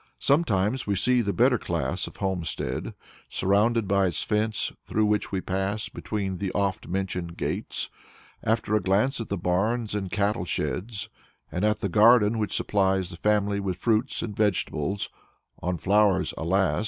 Sometimes we see the better class of homestead, surrounded by its fence through which we pass between the often mentioned gates. After a glance at the barns and cattle sheds, and at the garden which supplies the family with fruits and vegetables (on flowers, alas!